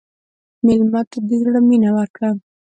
مېلمه ته د زړه مینه ورکړه.